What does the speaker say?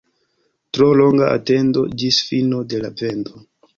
Tro longa atendo ĝis fino de la vendo.